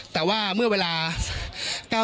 แต่ว่าเมื่อเวลา๙๑๑นี้พันธุ์เลยก็ได้ยินเสียงระเบิด